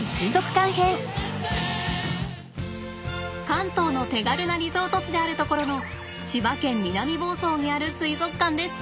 関東の手軽なリゾート地であるところの千葉県南房総にある水族館です